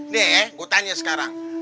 nih gue tanya